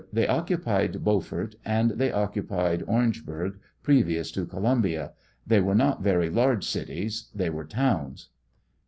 They occupied Beaufort, and they occupied Orangeburg previous to Columbia; they were not very large cities ; they were towns.